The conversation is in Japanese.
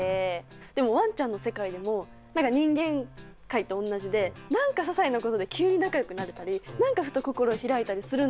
でもワンちゃんの世界でも何か人間界と同じで何かささいなことで急に仲よくなれたり何かふと心開いたりするんだなと思って。